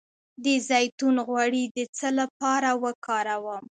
د زیتون غوړي د څه لپاره وکاروم؟